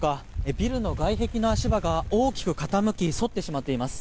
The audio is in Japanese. ビルの外壁の足場が大きく傾きそってしまっています。